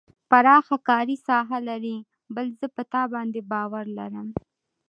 پراخه کاري ساحه لري بل زه په تا باندې باور لرم.